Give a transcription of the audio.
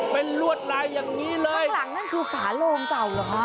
เป็นลวดลายอย่างนี้เลยข้างหลังนั่นคือฝาโลงเก่าเหรอคะ